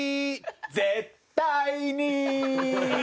絶対に。